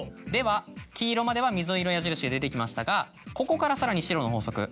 では「きいろ」までは水色の矢印で出てきましたがここからさらに白の法則。